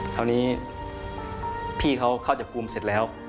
คราวนี้พี่เขาเข้าจับกลุ่มเสร็จแล้ว